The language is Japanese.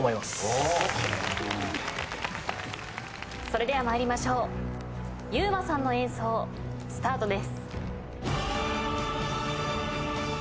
それでは参りましょうｙｕｍａさんの演奏スタートです。